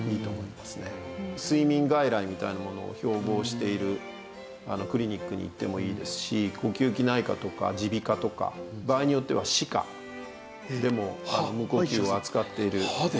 睡眠外来みたいなものを標榜しているクリニックに行ってもいいですし呼吸器内科とか耳鼻科とか場合によっては歯科でも無呼吸を扱っている。